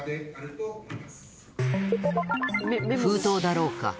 封筒だろうか？